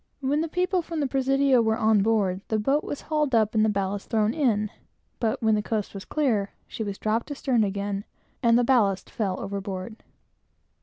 When any people from the Presidio were on board, the boat was hauled up and ballast thrown in; but when the coast was clear, she was dropped astern again, and the ballast fell overboard.